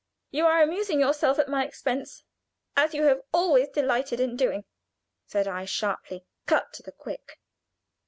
"You are amusing yourself at my expense, as you have always delighted in doing," said I, sharply, cut to the quick.